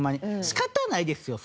仕方ないですよ